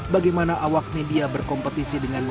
bagaimana awak media berkompetisi dengan